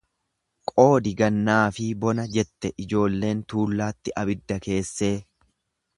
Qoodi gannaafi bona jette ijoolleen tuullaatti abidda keessee.